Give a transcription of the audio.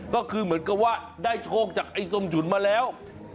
ก็คือเหมือนกับว่าได้โชคจากไอ้ส้มฉุนมาแล้ว